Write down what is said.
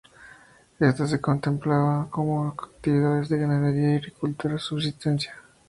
Ésta se complementaba con actividades de ganadería y agricultura de subsistencia.